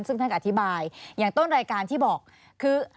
ซึ่งท่านอธิบายอย่างต้นรายการที่บอกคือ